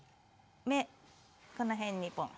目この辺にポンッ。